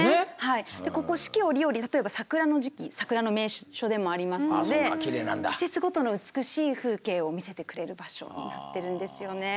ここ四季折々例えば桜の時期桜の名所でもありますので季節ごとの美しい風景を見せてくれる場所になってるんですよね。